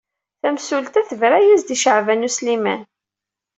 Tamsulta tebra-as-d i Caɛban U Sliman.